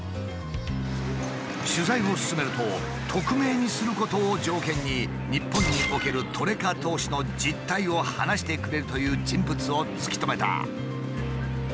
取材を進めると匿名にすることを条件に日本におけるトレカ投資の実態を話してくれるという人物を突き止めた。